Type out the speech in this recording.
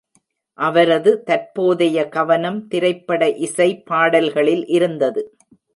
அவரது தற்போதைய கவனம் திரைப்பட இசை பாடல்களில் இருந்தது.